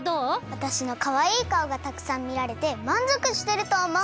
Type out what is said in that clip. わたしのかわいいかおがたくさんみられてまんぞくしてるとおもう。